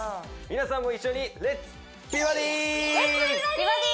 皆さんも一緒に「レッツ！美バディ」！